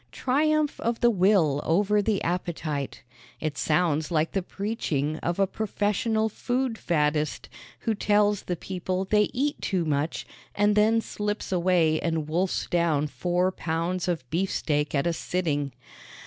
Triumph of the will over the appetite. It sounds like the preaching of a professional food faddist, who tells the people they eat too much and then slips away and wolfs down four pounds of beefsteak at a sitting.